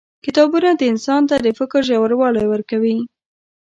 • کتابونه انسان ته د فکر ژوروالی ورکوي.